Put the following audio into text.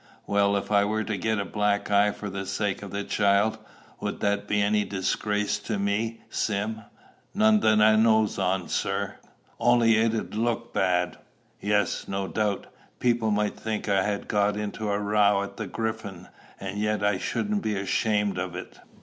"Well, if I were to get a black eye for the sake of the child, would that be any disgrace to me, Sim?" "None that I knows on, sir. Only it'd look bad." "Yes, no doubt. People might think I had got into a row at the Griffin. And yet I shouldn't be ashamed of it.